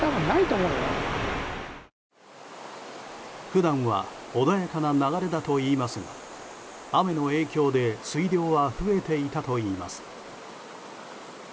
普段は穏やかな流れだといいますが雨の影響で水量は増えていたといいます。